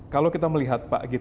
kalau kita melihat pak